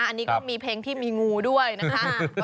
อันนี้ก็มีเพลงที่มีงูด้วยนะคะ